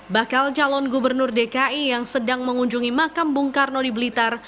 bakal calon gubernur dki yang sedang mengunjungi makam bung karno di blitar